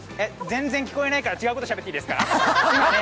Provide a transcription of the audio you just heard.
全然、聞こえないから違うことしゃべっていいですか。